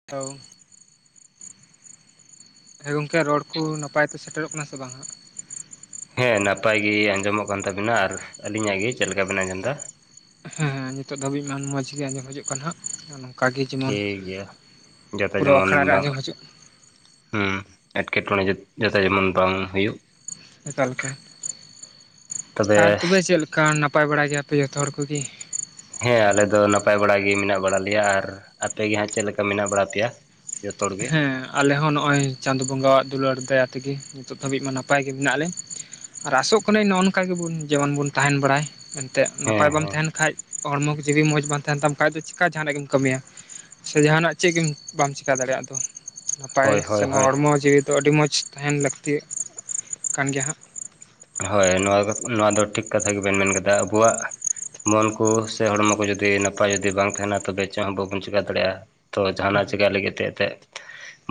[unintelligible] ᱦᱮᱸ ᱜᱚᱝᱠᱮ ᱨᱚᱲ ᱠᱚ ᱱᱟᱯᱟᱭ ᱛᱮ ᱥᱮᱴᱮᱨᱚᱜ ᱠᱟᱱᱟ ᱥᱮ ᱵᱟᱝ ᱦᱟᱸᱜ? ᱦᱮᱸ ᱱᱟᱯᱟᱭ ᱜᱮ ᱟᱸᱡᱚᱢᱚᱜ ᱠᱟᱱ ᱛᱟᱵᱤᱱᱟ ᱟᱨ ᱟᱹᱞᱤᱧᱟᱜ ᱜᱮ ᱪᱮᱫ ᱞᱮᱠᱟ ᱵᱮᱱ ᱟᱸᱡᱚᱢ ᱫᱟ? ᱦᱮᱸ ᱱᱤᱛᱚᱜ ᱫᱷᱟᱹᱵᱤᱡ ᱢᱟ ᱢᱚᱸᱡᱽ ᱜᱮ ᱟᱸᱡᱚᱢ ᱦᱤᱡᱩᱜ ᱠᱟᱱ ᱦᱟᱸᱜ ᱾ ᱚᱱᱠᱟᱜᱮ ᱡᱮᱢᱚᱱ ᱴᱷᱤᱠ ᱜᱮᱭᱟ ᱡᱚᱛᱚ ᱯᱩᱨᱟᱹ ᱡᱮᱢᱚᱱ ᱟᱠᱷᱲᱟ ᱨᱮ ᱵᱟᱝ ᱟᱸᱡᱚᱢ ᱦᱤᱡᱩᱜ ᱾ ᱦᱩᱸ ᱮᱴᱠᱮᱴᱚᱬᱮ ᱡᱟ ᱡᱟᱛᱮ ᱡᱮᱢᱚᱱ ᱵᱟᱝ ᱦᱩᱭᱩᱜ ᱾ ᱮᱠᱟᱞ ᱮᱠᱟᱞ, ᱟᱨ ᱛᱚᱵᱮ ᱪᱮᱫ ᱞᱮᱠᱟ ᱱᱟᱯᱟᱭ ᱵᱟᱲᱟ ᱜᱮᱭᱟᱯᱮ ᱡᱷᱚᱛᱚ ᱦᱚᱲ ᱠᱚᱜᱮ? ᱦᱮᱸ ᱟᱞᱮ ᱫᱚ ᱱᱟᱯᱟᱭ ᱵᱟᱲᱟ ᱜᱮ ᱢᱮᱱᱟᱜ ᱵᱟᱲᱟ ᱞᱮᱭᱟ ᱾ ᱟᱨ ᱟᱯᱮᱜ ᱜᱮ ᱦᱟᱸᱜ ᱪᱮᱫ ᱞᱮᱠᱟ ᱢᱮᱱᱟᱜ ᱵᱟᱲᱟ ᱯᱮᱭᱟ‌? ᱦᱮᱸ ᱟᱞᱮ ᱦᱚᱸ ᱱᱚᱜᱼᱚᱭ ᱪᱟᱸᱫᱳ ᱵᱚᱸᱜᱟᱣᱟᱜ ᱫᱩᱞᱟᱹᱲ ᱫᱟᱭᱟ ᱛᱮ ᱜᱮ ᱱᱤᱛᱚᱜ ᱫᱷᱟᱹᱵᱤᱡ ᱢᱟ ᱱᱟᱯᱟᱭ ᱜᱮ ᱢᱮᱱᱟᱜ ᱞᱮ ᱾ ᱟᱨ ᱟᱸᱥᱚᱜ ᱠᱟᱹᱱᱟᱹᱧ ᱱᱚᱜᱼᱚ ᱱᱚᱝᱠᱟ ᱜᱮᱵᱚᱱ ᱡᱮᱢᱚᱱ ᱵᱚᱱ ᱛᱟᱦᱮᱸᱱ ᱵᱟᱲᱟᱭ ᱮᱱᱛᱮᱫ ᱦᱮᱸ ᱱᱟᱯᱟᱭ ᱵᱟᱢ ᱦᱮᱸ ᱛᱟᱦᱮᱱ ᱠᱷᱟᱡ ᱦᱚᱲᱢᱚ ᱠᱚ ᱡᱩᱫᱤ ᱢᱚᱡᱽ ᱵᱟᱝ ᱛᱟᱦᱮᱱ ᱛᱟᱢ ᱠᱷᱟᱡ ᱫᱚ ᱪᱤᱠᱟ ᱡᱟᱦᱟᱱᱟᱜ ᱜᱮᱢ ᱠᱟᱹᱢᱤᱭᱟ ᱾ ᱥᱮ ᱡᱟᱦᱟᱱᱟᱜ ᱪᱮᱜ ᱜᱮᱢ ᱵᱟᱢ ᱪᱤᱠᱟ ᱫᱟᱲᱮᱭᱟᱜᱼᱟ ᱾ ᱱᱟᱯᱟᱭ, ᱦᱳᱭ ᱥᱮ ᱦᱳᱭ ᱱᱚᱣᱟ ᱦᱳᱭ ᱦᱚᱲᱢᱚ ᱡᱤᱣᱤ ᱫᱚ ᱟᱹᱰᱤ ᱢᱚᱸᱡᱽ ᱛᱟᱦᱮᱱ ᱞᱟᱹᱠᱛᱤ ᱠᱟᱱ ᱜᱮᱭᱟ ᱦᱟᱸᱜ ᱾ ᱦᱳᱭ ᱱᱚᱣᱟ ᱫᱚ ᱱᱚᱣᱟ ᱫᱚ ᱴᱷᱤᱠ ᱠᱟᱛᱷᱟ ᱜᱮᱵᱮᱱ ᱢᱮᱱ ᱠᱟᱫᱟ ᱟᱵᱚᱣᱟᱜ ᱢᱚᱱ ᱠᱚ ᱥᱮ ᱦᱚᱲᱢᱚ ᱠᱚ ᱡᱩᱫᱤ ᱱᱟᱯᱟᱭ ᱡᱩᱫᱤ ᱵᱟᱝ ᱛᱟᱦᱮᱱᱟ ᱛᱚᱵᱮ ᱪᱚᱜ ᱦᱚᱸ ᱵᱟᱵᱚᱱ ᱪᱮᱠᱟ ᱫᱟᱲᱮᱜᱼᱟ ᱾ ᱛᱚ ᱡᱟᱦᱟᱱᱟᱜ ᱪᱤᱠᱟᱭ ᱞᱟᱹᱜᱤᱫ ᱛᱮ ᱮᱛᱮᱜ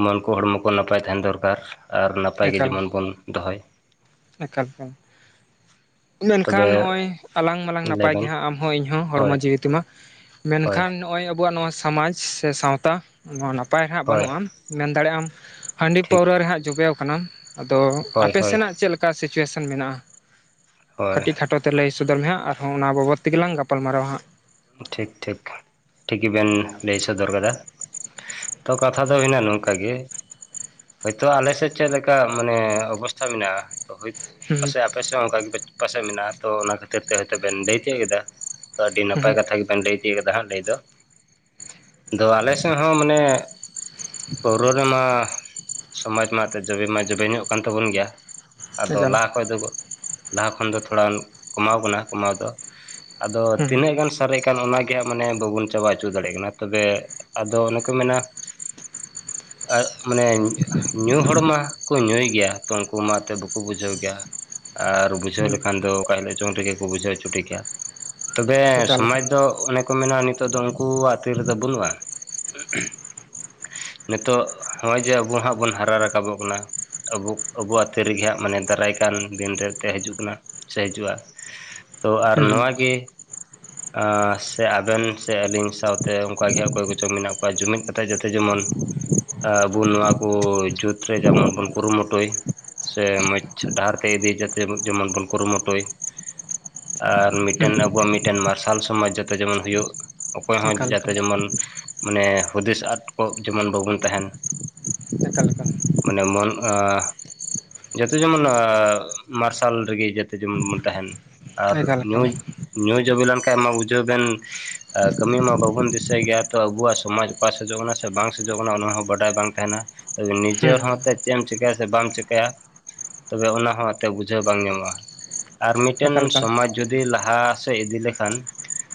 ᱢᱚᱱᱠᱚ ᱦᱚᱲᱢᱚ ᱠᱚ ᱱᱟᱯᱟᱭ ᱛᱟᱦᱮᱱ ᱫᱚᱨᱠᱟᱨ ᱾ ᱟᱨ ᱱᱟᱯᱟᱭ ᱜᱮ ᱮᱠᱟᱞ ᱡᱮᱢᱚᱱ ᱵᱚᱱ ᱫᱚᱦᱚᱭ ᱾ ᱮᱠᱟᱞ ᱮᱠᱟᱞ ᱾ ᱢᱮᱱᱠᱷᱟᱱ ᱛᱚᱵᱮ ᱱᱚᱜᱼᱚᱭ ᱟᱞᱟᱝ ᱢᱟᱞᱟᱝ ᱱᱟᱯᱟᱭ ᱜᱮ ᱞᱟᱹᱭᱵᱮᱱ ᱦᱟᱸᱜ ᱟᱢ ᱦᱚᱸ, ᱤᱧ ᱦᱚᱸ ᱦᱚᱲᱢᱚ ᱦᱳᱭ ᱡᱤᱣᱤ ᱛᱮᱢᱟ ᱾ ᱦᱳᱭ ᱢᱮᱱᱠᱷᱟᱱ ᱱᱚᱜ-ᱚᱭ ᱟᱵᱚᱣᱟᱜ ᱱᱚᱣᱟ ᱥᱟᱢᱟᱡᱽ ᱥᱮ ᱥᱟᱶᱛᱟ ᱱᱚᱣᱟ ᱱᱟᱯᱟᱭ ᱦᱟᱸᱜ ᱦᱳᱭ ᱵᱟᱹᱱᱩᱜᱼᱟ ᱾ ᱢᱮᱱ ᱫᱟᱲᱮᱜ ᱟᱢ ᱦᱟᱺᱰᱤ ᱴᱷᱤᱠ ᱯᱟᱹᱣᱨᱟᱹ ᱨᱮ ᱦᱟᱸᱜ ᱡᱚᱵᱮᱣ ᱠᱟᱱᱟᱢ ᱟᱫᱚ ᱦᱳᱭ ᱟᱯᱮ ᱦᱳᱭ ᱥᱮᱱᱟᱜ ᱪᱮᱫ ᱠᱟ ᱥᱤᱪᱩᱭᱮᱥᱚᱱ ᱢᱮᱱᱟᱜᱼᱟ? ᱦᱳᱭ ᱠᱟᱹᱴᱤᱡ ᱠᱷᱟᱴᱚ ᱛᱮ ᱞᱟᱹᱭ ᱥᱚᱫᱚᱨ ᱢᱮ ᱦᱟᱸᱜ ᱟᱨᱦᱚᱸ ᱚᱱᱟ ᱵᱟᱵᱚᱫ ᱛᱮᱜᱮ ᱞᱟᱝ ᱜᱟᱯᱟᱞᱢᱟᱨᱟᱣᱟ ᱦᱟᱸᱜ ᱾ ᱴᱷᱤᱠ ᱴᱷᱤᱠ, ᱴᱷᱤᱠ ᱜᱮᱵᱮᱱ ᱞᱟᱹᱭ ᱥᱚᱫᱚᱨ ᱠᱟᱫᱟ ᱾ ᱛᱚ ᱠᱟᱛᱷᱟ ᱫᱚ ᱦᱮᱱᱟᱜ ᱱᱚᱝᱠᱟ ᱜᱮ ᱦᱳᱭᱛᱳ ᱟᱞᱮ ᱥᱮᱫ ᱪᱮᱫ ᱞᱮᱠᱟ ᱢᱟᱱᱮ ᱚᱵᱚᱥᱛᱷᱟ ᱢᱮᱱᱟᱜᱼᱟ ᱛᱚ ᱦᱳᱭ ᱛᱚ ᱦᱩᱸ ᱯᱟᱥᱮᱫ ᱟᱯᱮ ᱟᱯᱮ ᱥᱮᱜ ᱦᱚᱸ ᱚᱝᱠᱟ ᱜᱮᱯᱮ ᱯᱟᱥᱮᱜ ᱢᱮᱱᱟᱜᱼᱟ ᱛᱚ, ᱚᱱᱟ ᱠᱷᱟᱹᱛᱤᱨ ᱛᱮ ᱦᱚᱭ ᱛᱚ ᱵᱮᱱ ᱞᱟᱹᱭ ᱦᱚᱪᱚ ᱠᱮᱫᱟ ᱛᱚ ᱟᱹᱰᱤ ᱱᱟᱯᱟᱭ ᱠᱟᱛᱷᱟ ᱜᱮ ᱵᱮᱱ ᱞᱟᱹᱭ ᱛᱤᱭᱟᱹᱜ ᱠᱟᱫᱟ ᱦᱟᱸᱜ ᱞᱟᱹᱭ ᱫᱚ᱾ ᱟᱫᱚ ᱟᱞᱮ ᱥᱮᱜ ᱦᱚᱸ ᱢᱟᱱᱮ ᱯᱟᱹᱣᱨᱟᱹ ᱨᱮᱢᱟ ᱥᱚᱢᱟᱡᱽ ᱢᱟ ᱮᱱᱛᱮ ᱡᱚᱵᱮ ᱢᱟ ᱡᱚᱵᱮ ᱧᱚᱜ ᱠᱟᱱ ᱛᱟᱵᱚᱱ ᱜᱮᱭᱟ, ᱟᱫᱚ ᱦᱩᱸ ᱞᱟᱦᱟ ᱠᱷᱚᱡ ᱫᱚ ᱞᱟᱦᱟ ᱠᱷᱚᱱ ᱫᱚ ᱛᱷᱚᱲᱟ ᱠᱚᱢᱟᱣ ᱠᱟᱱᱟ ᱠᱚᱢᱟᱣ ᱫᱚ ᱟᱫᱚ ᱛᱤᱱᱟᱹᱜ ᱦᱩᱸ ᱜᱟᱱ ᱥᱟᱨᱮᱡ ᱠᱟᱱ ᱚᱱᱟᱜᱮ ᱦᱟᱸᱜ ᱢᱟᱱᱮ ᱵᱟᱵᱚᱱ ᱪᱟᱵᱟ ᱪᱚᱜ ᱫᱟᱲᱮᱜ ᱠᱟᱱᱟ ᱛᱚᱵᱮ ᱟᱫᱚ ᱚᱱᱮ ᱠᱚ ᱢᱮᱱᱟ [inaudible] ᱟᱸᱜ, ᱢᱟᱱᱮ ᱧᱩ ᱦᱚᱲ ᱢᱟ ᱠᱚ ᱧᱩᱭ ᱜᱮᱭᱟ᱾ ᱛᱚ ᱩᱝᱠᱩ ᱢᱟ ᱮᱛᱚ ᱵᱟᱠᱚ ᱵᱩᱡᱷᱟᱹᱣ ᱜᱮᱭᱟ ᱟᱨ ᱵᱩᱡᱷᱟᱹᱣ ᱞᱮᱠᱷᱟᱱ ᱫᱚ ᱚᱠᱟ ᱦᱤᱞᱳᱜ ᱪᱚᱝ ᱨᱮᱜᱮ ᱠᱚ ᱵᱩᱡᱷᱟᱹᱣ ᱪᱷᱩᱴᱤ ᱠᱮᱭᱟ ᱛᱚᱵᱮ ᱮᱠᱟᱞ ᱛᱚ ᱚᱱᱮ ᱠᱚ ᱢᱮᱱᱟ ᱱᱤᱛᱚᱜ ᱫᱚ ᱩᱝᱠᱩᱣᱟᱜ ᱛᱤ ᱨᱮᱫᱚ ᱵᱟᱹᱱᱩᱜᱼᱟ᱾ ᱱᱤᱛᱳᱜ ᱦᱚᱸᱜᱼᱚᱭ ᱡᱮ ᱟᱵᱚ ᱦᱟᱸᱜ ᱵᱚᱱ ᱦᱟᱨᱟ ᱨᱟᱠᱟᱵᱚᱜ ᱠᱟᱱᱟ ᱟᱵᱚᱠ ᱟᱵᱚ ᱟᱛᱮ ᱨᱮᱜᱮ ᱦᱟᱸᱜ ᱢᱟᱱᱮ ᱫᱟᱨᱟᱭ ᱠᱟᱱ ᱫᱤᱱ ᱨᱮ ᱮᱱᱛᱮ ᱦᱟᱡᱩᱜ ᱠᱟᱱᱟ᱾ ᱥᱮ ᱦᱟᱡᱩᱜᱼᱟ, ᱛᱚ ᱟᱨ ᱦᱩᱸ ᱦᱩᱸ ᱱᱚᱣᱟ ᱜᱮ ᱟᱻ ᱥᱮ ᱟᱵᱮᱱ ᱥᱮ ᱟᱹᱞᱤᱧ ᱥᱟᱶᱛᱮ ᱚᱝᱠᱟᱜᱮ ᱦᱟᱸᱜ ᱚᱠᱚᱭ ᱠᱚᱪᱚᱝ ᱢᱮᱱᱟᱜ ᱠᱚᱣᱟ ᱡᱩᱢᱤᱫ ᱠᱟᱛᱮᱜ ᱡᱟᱛᱮ ᱡᱮᱢᱚᱱ ᱟᱵᱚ ᱱᱚᱣᱟ ᱠᱚ ᱡᱩᱛ ᱨᱮ ᱡᱮᱢᱚᱱ ᱵᱚᱱ ᱠᱩᱨᱩᱢᱩᱴᱩᱭ ᱥᱮ ᱢᱚᱡᱽ ᱰᱟᱦᱟᱨ ᱛᱮ ᱤᱫᱤ ᱡᱟᱛᱮ ᱡᱮᱢᱚᱱ ᱵᱚᱱ ᱠᱩᱨᱩᱢᱩᱴᱩᱭ ᱟᱨ ᱢᱤᱫᱴᱮᱱ ᱟᱵᱚᱣᱟᱜ ᱢᱤᱫᱴᱮᱱ ᱢᱟᱨᱥᱟᱞ ᱥᱚᱢᱟᱡᱽ ᱡᱟᱛᱮ ᱡᱮᱢᱚᱱ ᱦᱳᱭᱳᱜ ᱚᱠᱚᱭ ᱦᱚᱸ ᱮᱠᱟᱞ ᱡᱟᱛᱮ ᱮᱠᱟᱞ ᱡᱮᱢᱚᱱ ᱢᱟᱱᱮ ᱦᱩᱫᱤᱥ ᱟᱫ ᱠᱚᱜ ᱡᱮᱢᱚᱱ ᱵᱟᱵᱚᱱ ᱛᱟᱦᱮᱱ᱾ ᱮᱠᱟᱞ ᱢᱟᱱᱮ ᱢᱚᱱ ᱟᱻ ᱡᱚᱛᱚ ᱡᱮᱢᱚᱱ ᱟᱻ ᱢᱟᱨᱥᱟᱞ ᱨᱮᱜᱮ ᱡᱚᱛᱚ ᱡᱮᱢᱚᱱ ᱵᱚᱱ ᱛᱟᱦᱮᱱ ᱦᱩᱸ ᱟᱨ ᱮᱠᱟᱞ ᱮᱠᱟᱞ ᱮᱠᱟᱞ ᱮᱠᱟᱞ ᱮᱠᱟᱞ ᱮᱠᱟᱞ ᱱᱩᱭ ᱱᱩᱭ ᱡᱚᱵᱤᱱᱮᱢ ᱠᱮ ᱢᱟ ᱵᱩᱡᱷᱟᱹᱣ ᱵᱮᱱ, ᱠᱟᱹᱢᱤ ᱢᱟ ᱵᱟᱵᱚᱱ ᱫᱤᱥᱟᱹᱭ ᱜᱮᱭᱟ ᱛᱚ ᱟᱵᱚᱣᱟᱜ ᱥᱚᱢᱟᱡ ᱚᱠᱟ ᱥᱮᱫᱚᱜ ᱠᱟᱱᱟ ᱥᱮ ᱥᱮ ᱵᱟᱝ ᱥᱮᱡᱚᱜ ᱠᱟᱱᱟ ᱚᱱᱟ ᱦᱚᱸ ᱵᱟᱰᱟᱭ ᱵᱟᱝ ᱛᱟᱦᱮᱱᱟ ᱛᱚᱵᱮ ᱦᱩᱸ ᱱᱤᱡᱮᱨ ᱦᱚᱸ ᱦᱩᱸ ᱛᱮᱡ ᱪᱮᱜ-ᱮᱢ ᱪᱤᱠᱟᱹᱭᱟ ᱥᱮ ᱵᱟᱢ ᱪᱤᱠᱟᱹᱭᱟ ᱛᱚᱵᱮ ᱚᱱᱟ ᱦᱚᱸ ᱮᱱᱛᱮ ᱵᱩᱡᱷᱟᱹᱣ ᱵᱟᱝ ᱧᱟᱢᱚᱜᱼᱟ᱾ ᱟᱨ ᱢᱤᱫᱴᱮᱱ ᱮᱠᱟᱞ ᱮᱠᱟᱞ ᱥᱚᱢᱟᱡᱽ ᱡᱩᱫᱤ ᱞᱟᱦᱟ ᱥᱮᱜ ᱤᱫᱤ ᱞᱮᱠᱷᱟᱱ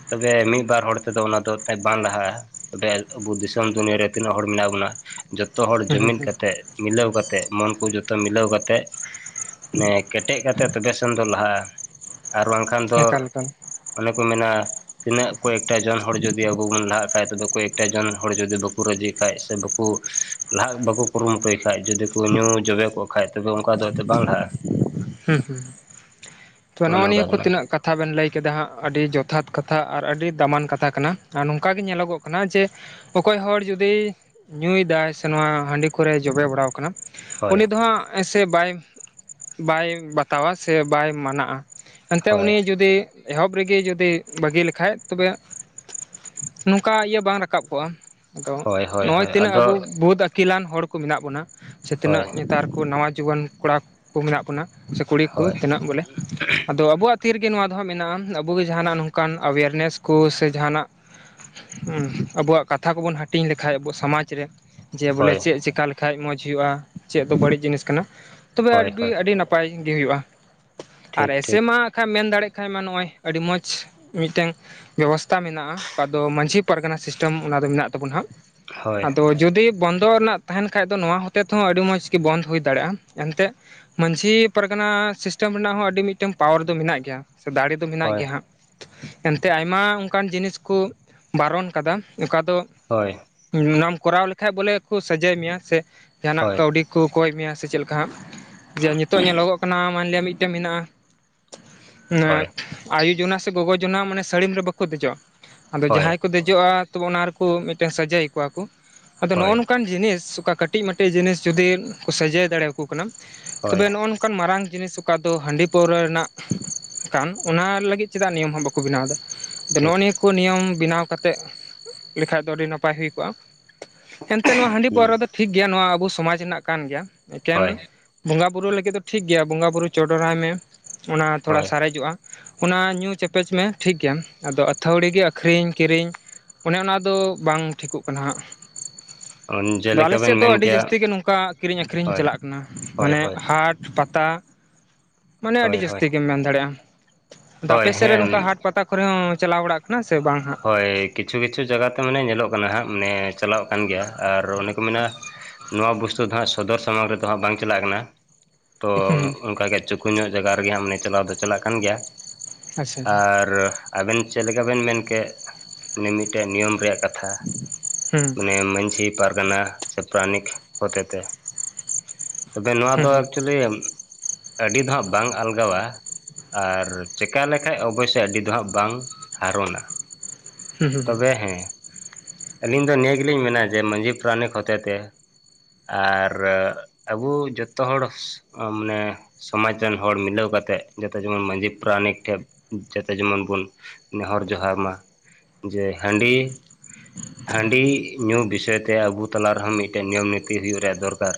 ᱛᱚᱵᱮ ᱢᱤᱜ-ᱵᱟᱨ ᱦᱚᱲ ᱛᱮᱫᱚ ᱚᱱᱟ ᱫᱚ ᱵᱟᱝ ᱞᱟᱦᱟᱜᱼᱟ᱾ ᱛᱚᱵᱮ ᱟᱵᱚ ᱫᱤᱥᱚᱢ ᱫᱩᱱᱤᱭᱟᱹ ᱨᱮ ᱛᱤᱱᱟᱹᱜ ᱦᱚᱲ ᱢᱮᱱᱟᱜ ᱵᱚᱱᱟ ᱡᱚᱛᱚ ᱦᱚᱲ ᱦᱩᱸ ᱡᱩᱢᱤᱫ ᱦᱩᱸ ᱠᱟᱛᱮᱫ ᱢᱤᱞᱟᱹᱣ ᱠᱟᱛᱮᱜ ᱢᱚᱱ ᱠᱚ ᱡᱚᱛᱚ ᱢᱤᱞᱟᱹᱣ ᱠᱟᱛᱮᱜ ᱢᱟᱱᱮ ᱠᱮᱴᱮᱡ ᱠᱟᱛᱮᱜ ᱛᱚᱵᱮ ᱥᱮᱱ ᱫᱚ ᱞᱟᱦᱟᱜᱼᱟ ᱟᱨ ᱵᱟᱝᱠᱷᱟᱱ ᱫᱚ ᱮᱠᱟᱞ ᱮᱠᱟᱞ ᱚᱱᱮ ᱠᱚ ᱢᱮᱱᱟ ᱛᱤᱱᱟᱹᱜ ᱠᱚᱭᱮᱠᱴᱟ ᱡᱚᱱ ᱦᱚᱲ ᱡᱩᱫᱤ ᱟᱵᱚ ᱵᱚᱱ ᱞᱟᱦᱟᱜ ᱠᱷᱟᱡ ᱛᱚᱵᱮ ᱠᱚᱭᱮᱠᱴᱟ ᱡᱚᱱ ᱦᱚᱲ ᱡᱩᱫᱤ ᱵᱟᱠᱚ ᱨᱟᱹᱡᱤ ᱠᱷᱟᱡ ᱥᱮ ᱵᱟᱠᱚ ᱞᱟᱦᱟᱜ ᱵᱟᱠᱚ ᱠᱩᱨᱩᱢᱩᱴᱩᱭ ᱠᱷᱟᱡ ᱡᱩᱫᱤ ᱠᱩ ᱧᱩ ᱡᱚᱵᱮ ᱠᱚᱜ ᱠᱷᱟᱡ ᱛᱚᱵᱮ ᱚᱝᱠᱟ ᱫᱚ ᱛᱮᱱᱛᱣ ᱵᱟᱝ ᱞᱟᱦᱟᱜᱼᱟ᱾ ᱦᱩᱸ ᱦᱩᱸ ᱛᱚ ᱚᱱᱮ ᱱᱚᱜᱼᱚ ᱱᱤᱭᱟᱹ ᱚᱱᱠᱟ ᱠᱚ ᱠᱟᱱᱟ ᱛᱤᱱᱟᱹᱜ ᱠᱟᱛ ᱠᱟᱛᱷᱟ ᱵᱮᱱ ᱞᱟᱹᱭ ᱠᱮᱫᱟ ᱦᱟᱸᱜ-ᱟᱹᱰᱤ ᱡᱚᱛᱷᱟᱛ ᱠᱟᱛᱷᱟ ᱟᱨ ᱟᱹᱰᱤ ᱫᱟᱢᱟᱱ ᱠᱟᱛᱷᱟ ᱠᱟᱱᱟ ᱟᱨ ᱱᱚᱝᱠᱟ ᱜᱮ ᱧᱮᱞᱚᱜᱚᱜ ᱠᱟᱱᱟ ᱡᱮ ᱚᱠᱚᱭ ᱦᱚᱲ ᱡᱚᱫᱤ ᱧᱩᱭᱫᱟᱭ ᱥᱮ ᱱᱚᱣᱟ ᱦᱟᱺᱰᱤ ᱠᱚᱨᱮ ᱡᱚᱵᱮ ᱵᱟᱲᱟᱟᱣ ᱟᱠᱟᱱᱟ ᱦᱳᱭ ᱩᱱᱤ ᱫᱚ ᱦᱟᱸᱜ ᱥᱮ ᱵᱟᱭ ᱵᱟᱭ ᱵᱟᱛᱟᱣᱟ ᱥᱮ ᱵᱟᱭ ᱢᱟᱱᱟᱜᱼᱟ ᱮᱱᱛᱮᱫ ᱦᱳᱭ ᱩᱱᱤ ᱡᱩᱫᱤ ᱮᱦᱚᱵ ᱨᱮᱜᱮ ᱡᱩᱫᱤ ᱵᱟᱹᱜᱤ ᱞᱮᱠᱷᱟᱡ ᱛᱚᱵᱮ ᱱᱚᱝᱠᱟ ᱤᱭᱟᱹ ᱵᱟᱝ ᱨᱟᱠᱟᱵ ᱠᱚᱜᱼᱟ ᱟᱫᱚ ᱦᱳᱭ ᱦᱳᱭ ᱱᱚᱜᱼᱚᱭ ᱦᱳᱭ ᱛᱤᱱᱟᱹᱜ ᱟᱫᱚ ᱟᱵᱚ ᱵᱩᱫ-ᱟ. ᱠ ᱟᱹᱠᱤᱞᱟᱱ ᱦᱚᱲ ᱠᱚ ᱢᱮᱱᱟᱜ ᱵᱚᱱᱟ ᱥᱮ ᱦᱳᱭ ᱛᱤᱱᱟᱹᱜ ᱱᱮᱛᱟᱨ ᱠᱚ ᱱᱟᱣᱟ ᱡᱩᱣᱟᱹᱱ ᱠᱚᱲᱟ ᱠᱚ ᱢᱮᱱᱟᱜ ᱵᱚᱱᱟ ᱥᱮ ᱠᱩᱲᱤ ᱠᱚ ᱦᱳᱭ ᱛᱤᱱᱟᱹᱜ ᱵᱚᱞᱮ ᱟᱫᱚ ᱟᱵᱚᱣᱟᱜ ᱠᱷᱟᱹᱛᱤᱨ ᱜᱮ ᱱᱚᱣᱟ ᱫᱚ ᱦᱟᱸᱜ ᱢᱮᱱᱟᱜᱼᱟ ᱟᱵᱚᱮ ᱡᱟᱦᱟᱱᱟᱜ ᱱᱚᱝᱠᱟᱱ ᱮᱣᱮᱨᱱᱮᱥ ᱠᱚ ᱥᱮ ᱡᱟᱦᱟᱱᱟᱜ ᱟᱵᱚᱣᱟᱜ ᱠᱟᱛᱷᱟ ᱠᱚᱵᱚᱱ ᱦᱟᱹᱴᱤᱧ ᱞᱮᱠᱷᱷᱟᱡᱽ ᱟᱵᱚ ᱥᱚᱢᱟᱡᱽᱨᱮ᱾ ᱡᱮ ᱵᱚᱞᱮ ᱦᱳᱭ ᱪᱮᱫ ᱪᱮᱠᱟ ᱞᱮᱠᱟᱱᱡ ᱢᱚᱸᱡᱽᱳᱭᱜᱼᱟ ᱪᱮᱫ ᱫᱚ ᱵᱟᱹᱲᱤᱡ ᱡᱤᱱᱤᱥ ᱠᱟᱱᱟ ᱛᱚᱵᱮ ᱦᱳᱭ ᱦᱳᱭ ᱟᱹᱰᱤ ᱱᱟᱯᱟᱭ ᱜᱮ ᱦᱩᱭᱩᱜᱭᱼᱟ ᱟᱨ ᱴᱷᱤᱠ ᱮᱥᱮ ᱴᱷᱤᱠ ᱢᱟ ᱠᱷᱟᱡ ᱢᱮᱱ ᱫᱟᱲᱮᱜ ᱠᱷᱟᱼ ᱢᱟ ᱱᱚᱜᱼᱚᱭ ᱟᱹᱰᱤ ᱢᱚᱸ ᱢᱤᱫᱴᱟᱢ ᱵᱮᱵᱚᱥᱛᱷᱟ ᱢᱮᱱᱟᱜᱼᱟ ᱚᱠᱟ ᱫᱚ ᱢᱺᱡᱷᱤ ᱯᱟᱨᱜᱟᱱᱟ ᱥᱤᱥᱴᱮᱢ ᱚᱱᱟ ᱫᱚ‌ᱚᱵ ᱫᱚ ᱢᱮᱱᱟᱜ ᱛᱟᱵᱚᱱᱢᱟ ᱦᱟᱸᱼ ᱦᱳᱭ ᱟᱫᱚ ᱡᱩᱫᱤ ᱵᱚᱱᱫᱚ ᱨᱮᱱᱟᱜ ᱛᱟᱦᱮᱱ ᱠᱷᱟᱡ ᱫᱚ ᱱᱚᱣᱟ ᱦᱚᱛᱮ ᱛᱮᱦᱚᱸ ᱟᱹᱰᱤ ᱢᱚᱡᱽ ᱜᱮ ᱵᱚᱱᱫᱚ ᱦᱩᱭ ᱫᱟᱲᱮᱭᱟᱜᱼᱟ ᱮᱱᱛᱮᱫ ᱢᱺᱡᱷᱤ ᱯᱟᱨᱜᱟᱱᱟ ᱥᱤᱥᱴᱮᱢ ᱨᱮᱱᱟᱜ ᱦᱚᱸ ᱟᱹᱰᱤ ᱢᱤᱫᱴᱟᱝ ᱯᱟᱣᱟᱨ ᱫᱚ ᱢᱮᱱᱟᱜ ᱜᱮᱭᱟ ᱥᱮ ᱫᱟᱲᱮ ᱫᱚ ᱢᱮᱱᱟᱜ ᱦᱳᱭ ᱜᱮᱭᱟ ᱦᱟᱸᱜ ᱮᱱᱛᱮᱜ ᱟᱭᱢᱟ ᱚᱝᱠᱟᱱ ᱡᱤᱱᱤᱥ ᱠᱩ ᱵᱟᱨᱚᱱ ᱠᱟᱫᱟ ᱚᱠᱟ ᱫᱚ ᱦᱳᱭ ᱚᱱᱟᱢ ᱠᱚᱨᱟᱣ ᱞᱮᱠᱷᱟᱡ ᱵᱚᱞᱮ ᱠᱚ ᱥᱟᱡᱟᱭ ᱢᱮᱭᱟ ᱥᱮ ᱡᱟᱦᱟᱱᱟᱜ ᱦᱳᱭ ᱠᱟᱹᱣᱰᱤ ᱠᱪ ᱠᱚᱭ ᱢᱮᱭᱟ ᱥᱮ ᱪᱮᱫ ᱞᱮᱠᱟ ᱦᱟᱸᱜ ᱡᱮ ᱱᱤᱛᱳᱜ ᱧᱮᱞᱚᱜᱚᱜ ᱠᱟᱱᱟ ᱢᱟᱱᱞᱤᱭᱟ ᱢᱤᱫᱴᱮ ᱢᱮᱱᱟᱜᱼᱟ ᱦᱳᱭ ᱚᱱᱟ ᱟᱭᱳ ᱡᱚᱱᱟ ᱥᱮ ᱜᱚᱜᱚ ᱡᱚᱱᱟ ᱢᱟᱱᱮ ᱥᱟᱹᱲᱤᱢ ᱨᱮ ᱵᱟᱠᱚ ᱫᱮᱡᱚᱜᱼᱟ ᱟᱫᱚ ᱦᱳᱭ ᱡᱟᱦᱟᱸᱭ ᱠᱩ ᱫᱮᱡᱚᱜᱼᱟ ᱛᱚ ᱚᱱᱟ ᱨᱮᱠᱚ ᱢᱤᱫᱴᱟᱝ ᱥᱟᱡᱟᱭᱮ ᱠᱚᱣᱟ ᱠᱚ ᱟᱫᱚ ᱦᱳᱭ ᱱᱚᱜᱼᱚ ᱱᱚᱝᱠᱟᱱ ᱡᱤᱱᱤᱥ ᱚᱠᱟ ᱠᱟᱹ ᱴᱤᱡ ᱢᱮᱴᱮᱡ ᱡᱤᱱᱤᱥ ᱡᱩᱫᱤ ᱠᱚ ᱥᱟᱡᱟᱹᱭ ᱫᱟᱲᱮᱭᱟᱠᱚ ᱠᱟᱱᱟ ᱦᱳᱭ ᱛᱚᱵᱮ ᱱᱚᱜᱼᱚ ᱠᱟᱱ ᱢᱟᱨᱟᱝ ᱡᱤᱱᱤᱥ ᱚᱠᱟ ᱫᱚ ᱦᱟᱺᱰᱤ ᱯᱟᱹᱣᱨᱟᱹ ᱨᱮᱱᱟᱜ ᱠᱟᱱ ᱚᱱᱟ ᱞᱟᱹᱜᱤᱫ ᱪᱮᱫᱟᱜ ᱱᱤᱭᱚᱢ ᱦᱚᱸ ᱵᱟᱠᱚ ᱵᱮᱱᱟᱣ ᱫᱟ ᱟᱫᱚ ᱴᱷᱤᱠ ᱱᱚᱜᱼᱚ ᱱᱤᱭᱟᱹ ᱠᱩ ᱱᱤᱭᱚᱢ ᱵᱮᱱᱟᱣ ᱠᱟᱛᱮᱫ ᱞᱮᱠᱷᱟᱡ ᱫᱚ ᱟᱹᱰᱤ ᱱᱟᱯᱟᱭ ᱦᱩᱭ ᱠᱚᱜᱼᱟ ᱮᱱᱛᱮ ᱱᱚᱣᱟ ᱦᱟᱺᱰᱤ ᱯᱟᱹᱣᱨᱟᱹ ᱫᱚ ᱴᱷᱤᱠ ᱜᱮᱭᱟ ᱱᱚᱣᱟ ᱟᱵᱚ ᱥᱚᱢᱟᱡᱽ ᱨᱮᱱᱟᱜ ᱠᱟᱱ ᱜᱮᱭᱟ ᱮᱠᱮᱱ ᱦᱳᱭ ᱵᱚᱸᱜᱟ ᱵᱩᱨᱩ ᱞᱟᱹᱜᱤᱫ ᱫᱚ ᱴᱷᱤᱠ ᱜᱮᱭᱟ ᱵᱚᱸᱜᱟ ᱵᱩᱨᱩ ᱪᱚᱰᱚᱨᱟᱭ ᱢᱮ ᱚᱱᱟ ᱛᱷᱚᱲᱟ ᱦᱳᱭ ᱥᱟᱨᱮᱡᱚᱜᱼᱟ ᱚᱱᱟ ᱧᱩ ᱪᱮᱯᱮᱡᱽ ᱢᱮ ᱴᱷᱤᱠ ᱜᱮᱭᱟ ᱟᱫᱚ ᱟᱹᱛᱷᱟᱹᱣᱲᱤ ᱜᱮ ᱟᱹᱷᱨᱤᱧ ᱠᱤᱨᱤᱧ ᱚᱱᱮ ᱚᱱᱟᱫᱚ ᱵᱟᱝ ᱴᱷᱤᱠᱚᱜ ᱠᱟᱱᱟ ᱦᱟᱸᱜ ᱟᱫᱚ ᱟᱞᱮ ᱡᱮᱞᱮᱠᱟ ᱵᱮᱱ ᱥᱮᱫ ᱫᱚ ᱢᱮᱱ ᱟᱹᱰᱤ ᱠᱮᱭᱟ ᱡᱟᱹᱥᱛᱤ ᱜᱮ ᱱᱚᱝᱠᱟ ᱠᱤᱨᱤᱧ ᱟᱹᱠᱷᱨᱤᱧ ᱦᱳᱭ ᱪᱟᱞᱟᱜ ᱠᱟᱱᱟ ᱦᱳᱭ ᱢᱟᱱᱮ ᱦᱳᱭ ᱦᱟᱴ ᱯᱟᱛᱟ ᱢᱟᱱᱮ ᱟᱹᱰᱤ ᱦᱳᱭ ᱦᱳᱭ ᱡᱟᱹᱟᱥᱛᱤ ᱜᱮᱢ ᱢᱮᱱ ᱫᱟᱲᱮᱜᱼᱟ ᱫᱟ ᱦᱳᱭ ᱟᱯᱮ ᱥᱮᱫ ᱨᱮ ᱱᱚᱝᱠᱟ ᱦᱮᱸ ᱦᱟᱴ ᱯᱟᱛᱟ ᱠᱚᱨᱮ ᱦᱚᱸᱢ ᱪᱟᱞᱟᱣ ᱵᱟᱲᱟᱜ ᱠᱟᱱᱟ ᱥᱮ ᱵᱟᱝ ᱦᱟᱸᱜ ᱦᱳᱭ ᱠᱤᱪᱷᱩ ᱠᱤᱪᱷᱩ ᱡᱟᱜᱟ ᱟᱷᱛᱮ ᱢᱟᱱᱮ ᱧᱮᱞᱚᱜ ᱠᱟᱱᱟ ᱦᱟᱸᱜ ᱢᱟᱱᱮ ᱪᱟᱞᱟᱜ ᱠᱟᱱ ᱜᱮᱭᱟ ᱟᱨ ᱚᱱᱮᱠᱚ ᱢᱮᱱᱟ ᱱᱚᱣᱟ ᱵᱚᱥᱛᱩᱩ ᱫᱚ ᱦᱟᱸᱜ ᱥᱚᱫᱚᱨ ᱥᱟᱢᱟᱝ ᱨᱮᱫᱚ ᱦᱟᱸᱜ ᱵᱟᱝ ᱪᱟᱞᱟᱜ ᱠᱟᱱᱟ ᱛᱚ ᱦᱩᱸ ᱚᱱᱠᱟ ᱜᱮ ᱪᱩᱠᱩ ᱧᱚᱜ ᱡᱟᱜᱟ ᱨᱮᱜᱮ ᱢᱚᱱᱮ ᱪᱟᱞᱟᱣ ᱫᱚ ᱪᱟᱞᱟᱜ ᱠᱟᱱ ᱜᱮᱭᱟ ᱟᱪᱪᱷᱟ ᱟᱪᱪᱷᱟ ᱟᱨ ᱟᱵᱮᱱ ᱪᱮᱫ ᱞᱮᱠᱟ ᱵᱮᱱ ᱢᱮᱱ ᱠᱮᱫ ᱢᱤ ᱢᱤᱫᱴᱮᱡ ᱱᱤᱭᱚᱢ ᱨᱮᱭᱟᱜ ᱠᱟᱛᱷᱟ ᱦᱩᱸ ᱢᱟᱱᱮ ᱢᱟᱹᱡᱷᱤ ᱯᱟᱨᱜᱟᱱᱟ ᱥᱮ ᱯᱨᱟᱱᱤᱠ ᱦᱚᱛᱮᱛᱮ ᱛᱚᱵᱮ ᱱᱚᱣᱟ ᱦᱩᱸ ᱫᱚ ᱮᱠᱪᱩᱭᱮᱞᱤ ᱟᱹᱰᱤ ᱫᱚ ᱦᱟᱜ ᱵᱟᱝ ᱟᱞᱜᱟᱣᱟ ᱟᱨ ᱪᱮᱠᱟ ᱞᱮᱠᱷᱟᱡ ᱚᱵᱚᱥᱳᱭ ᱟᱹᱰᱤ ᱫᱚ ᱦᱟᱸᱜ ᱵᱟᱝ ᱦᱟᱨᱚᱱᱟ ᱦᱩᱸ ᱦᱩᱸ ᱦᱩᱸ ᱛᱚᱵᱮ ᱦᱮᱸ ᱟᱹᱞᱤᱧ ᱫᱚ ᱱᱤᱭᱟᱹ ᱜᱤᱞᱤᱧ ᱢᱮᱱᱟ ᱡᱮ ᱢᱟᱺᱡᱷᱤ ᱯᱟᱨᱟᱱᱤᱠ ᱦᱚᱛᱮ ᱛᱮ ᱟᱨ ᱟᱵᱩ ᱡᱚᱛᱚ ᱦᱚᱲ ᱢᱟᱱᱮ ᱥᱚᱢᱟᱡ ᱨᱮᱱ ᱦᱚᱲ ᱢᱤᱞᱟᱹᱣ ᱠᱟᱛᱮᱜ ᱡᱟᱛᱚ ᱡᱮᱢᱚᱱ ᱢᱟᱺᱡᱷᱤ ᱯᱟᱨᱟᱱᱤᱠ ᱴᱷᱮ ᱡᱟᱛᱮ ᱡᱮᱢᱚᱱ ᱵᱚᱱ ᱱᱮᱦᱚᱨ ᱡᱚᱦᱟᱨ ᱢᱟ ᱡᱮ ᱦᱟᱺᱰᱤ ᱦᱟᱺᱰᱤ ᱧᱩ ᱵᱤᱥᱚᱭ ᱛᱮ ᱟᱵᱚ ᱛᱟᱞᱟ ᱨᱮᱦᱚᱸ ᱢᱤᱫᱴᱮᱡ ᱱᱤᱭᱚᱢ ᱱᱤᱛᱤ ᱤᱫᱤ ᱨᱮᱭᱟᱜ ᱫᱚᱨᱠᱟᱨ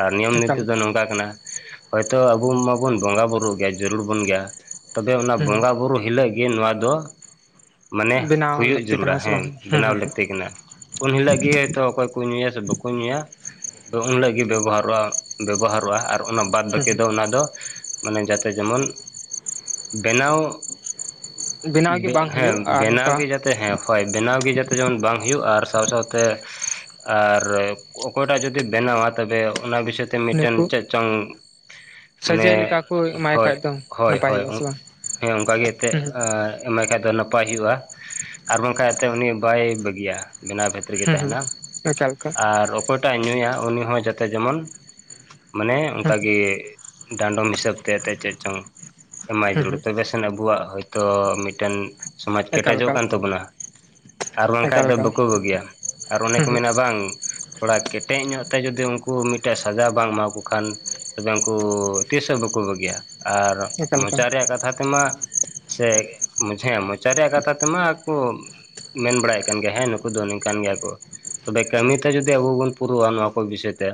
ᱟᱨ ᱱᱤᱭᱚᱢ ᱮᱠᱟᱞ ᱱᱤᱛᱤ ᱫᱚ ᱱᱚᱝᱠᱟ ᱠᱟᱱᱟ ᱦᱚᱭᱛᱳ ᱟᱵᱚ ᱢᱟᱵᱚᱱ ᱵᱚᱸᱜᱟ ᱵᱨᱩᱜ ᱜᱮᱭᱟ, ᱡᱟᱹᱨᱩᱲ ᱵᱚᱱ ᱜᱮᱭᱟ ᱛᱚᱵᱮ ᱚᱱᱟ ᱦᱩᱸ ᱵᱚᱸᱜᱟ ᱵᱩᱨᱩ ᱦᱤᱞᱳᱜ ᱜᱤ ᱱᱚᱣᱟ ᱫᱚ᱾ ᱢᱟᱱᱮ ᱵᱮᱱᱟᱣ ᱦᱩᱭᱩᱜ ᱞᱟᱹᱠᱛᱤ ᱠᱟᱱᱟ ᱡᱟᱹᱨᱩᱲᱟ, ᱥᱮ ᱦᱮᱸ ᱵᱟᱝ ᱦᱩᱸ ᱦᱩᱸ ᱵᱮᱱᱟᱣ ᱦᱩᱸ ᱞᱟᱹᱠᱛᱤ ᱠᱟᱱᱟ, ᱩᱱ ᱦᱤᱞᱳᱜ ᱜᱤ ᱦᱚᱭᱛᱚ ᱚᱠᱚᱭ ᱦᱤᱞᱳ ᱜᱮ ᱵᱮᱚᱦᱟᱨᱼᱟ ᱵᱮᱵᱚᱦᱟᱨᱚᱜᱼᱟ ᱚᱱᱟ ᱵᱟᱫᱽ ᱵᱟᱹᱠᱤ ᱦᱩᱸ ᱫᱚ, ᱚᱱᱟ ᱫᱚ ᱢᱟᱱᱮ ᱡᱟᱛᱮ ᱡᱮᱢᱚᱱ ᱵᱮᱱᱟᱣᱼᱼ ᱵᱮᱱᱟᱣᱜ ᱜᱤ ᱵᱟᱝ ᱦᱩᱭᱩᱜ ᱟᱨ ᱱᱚᱝᱠᱟ᱾ ᱜᱮ ᱡᱟᱛᱮ ᱦᱮᱸ ᱦᱳᱭ ᱵᱮᱱᱟᱣ ᱜᱮ ᱡᱟᱛᱮ ᱡᱮᱢᱚᱱ ᱵᱟᱝ ᱦᱩᱭᱩᱜᱼᱟ, ᱟᱨ ᱥᱟᱶ ᱥᱟᱶᱛᱮᱼᱼ ᱟᱨ ᱚᱠᱚᱭᱴᱟᱜ ᱡᱩᱫᱤ ᱵᱮᱱᱟᱣᱟ ᱛᱚᱵᱮ ᱚᱱᱟ ᱵᱤᱥᱚᱭ ᱛᱮ ᱩᱱᱤᱠᱩ ᱢᱤᱫᱴᱮᱱ ᱪᱮᱫ ᱪᱚᱝ᱾ ᱥᱟᱹᱡᱟᱹᱭ ᱢᱟᱱᱮ ᱞᱮᱠᱟ ᱠᱚ ᱮᱢᱟᱭ ᱦᱳᱭ ᱠᱷᱟᱡ ᱫᱚ ᱦᱳᱭ ᱱᱟᱯᱟᱭ ᱦᱳᱭ ᱦᱩᱭᱩᱜᱼᱟ ᱥᱮ ᱵᱟᱝ ᱦᱮᱸ ᱚᱱᱠᱟᱜᱤ ᱮᱱᱛᱮᱫ᱾ ᱦᱩᱸ ᱦᱩᱸ ᱮᱢᱟᱭ ᱠᱷᱟᱡ ᱫᱚ ᱱᱟᱯᱟᱭ ᱦᱩᱭᱩᱜᱼᱟ ᱟᱨ ᱵᱟᱝᱠᱷ ᱮᱱᱛᱮᱫ ᱩᱱᱤ ᱵᱟᱭ ᱵᱟᱹᱜᱤᱭᱟ ᱵᱮᱱᱟᱣ ᱵᱷᱤᱛ [unintelligible] ᱨᱮᱜᱮ ᱦᱩᱸ ᱦᱩᱸ ᱛᱟᱦᱮᱱᱟ ᱮᱠᱟᱞ ᱮᱠᱟᱞ ᱟᱨ ᱚᱠᱚᱭᱴᱟᱜ ᱦᱚᱚᱷ ᱩᱱᱤ ᱦᱚᱸ।। ᱡᱟᱛᱮ ᱡᱮᱢᱚᱱ, ᱢᱟᱱᱮ ᱦᱩᱸ ᱚᱱᱠᱟᱜᱮᱼᱼ ᱰᱟᱸᱰᱚᱢ ᱦᱤᱥᱟᱹᱵ ᱛᱮ ᱜᱮ ᱪᱮᱫ ᱪᱚᱝ ᱮᱢᱟᱭ ᱦᱩᱸ ᱡᱟᱹᱨᱩᱲ ᱦᱩᱸ ᱛᱚᱵᱮ ᱥᱮᱱ ᱟᱵᱚᱣᱟᱜ ᱦᱚᱭᱛᱚ᱾ ᱴᱮᱱ ᱥᱚᱢᱟᱡᱽ ᱮᱠᱟᱞ ᱠᱮᱴᱮᱡᱚᱜ ᱮᱠᱟᱞ ᱠᱟᱱ ᱛᱟᱵᱚᱱᱟ᱾ ᱟᱨ ᱵᱟᱝᱠᱷᱟᱡ ᱮᱠᱟᱞ ᱫᱚ ᱮᱠᱟᱞ ᱵᱟᱠᱚ ᱵᱟᱹᱜᱤᱭᱟ ᱟᱨ ᱚᱱᱮ ᱦᱩᱸ ᱠᱚ ᱦᱩᱸ ᱢᱮᱱᱟ ᱵᱟᱝ ᱛᱷᱚᱲᱟ ᱠᱮᱴᱮᱡ ᱧᱚᱜ ᱛᱮ ᱡᱩᱫᱤ ᱩᱱᱠᱩ ᱢᱤᱫᱴᱮᱱ ᱥᱟᱡᱟ ᱵᱟᱝ ᱮᱢᱟᱠᱚ ᱠᱷᱟᱱ ᱛᱚᱵᱮ ᱩᱱᱠᱩ ᱛᱤᱥ ᱦᱚᱸ ᱵᱟᱠᱩ ᱵᱟᱹᱜᱤᱭᱟ᱾ ᱟᱨ ᱮᱠᱟᱞ ᱮᱠᱟᱞ ᱢᱚᱪᱟ ᱨᱮᱭᱟᱜ ᱠᱟᱛᱷᱟ ᱛᱮᱢᱟ ᱥᱮ ᱢᱩᱡᱷᱮ ᱢᱚᱪᱟ ᱨᱮᱭᱟᱜ ᱠᱟᱛᱷᱟ ᱛᱮᱢᱟ ᱠᱚ, ᱢᱮᱱ ᱵᱟᱲᱟᱭᱮᱫ ᱠᱟᱱ ᱜᱮᱭᱟ ᱦᱮᱸ ᱱᱩᱠᱩ ᱫᱚ ᱱᱝᱠᱟᱱ ᱜᱮᱭᱟ ᱠᱚ᱾ ᱛᱚᱵᱮ ᱠᱟᱹᱢᱤᱛᱮ ᱡᱩᱫᱤ ᱟᱵᱚ ᱵᱚᱱ ᱯᱩᱨᱟᱹᱣᱟ ᱱᱚᱣᱟ ᱠᱚ ᱵᱤᱥᱚᱭ ᱛᱮ,